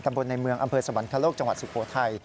ตำบลในเมืองอำเภอสะวัญคลาโลกจังหวัดสุโขทัย